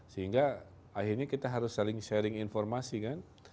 sehingga akhirnya kita harus saling sharing informasi kan